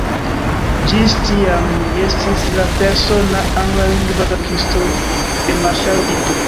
Ĝis tiam, li estis la persona anglalingva tradukisto de marŝalo Tito.